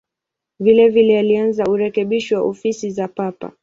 Vilevile alianza urekebisho wa ofisi za Papa.